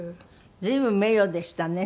随分名誉でしたね